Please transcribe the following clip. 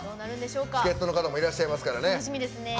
助っとの方もいらっしゃいますからね。